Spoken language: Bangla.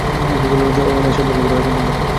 জন, এসব বন্ধ কর।